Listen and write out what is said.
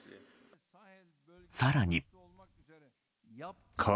更に。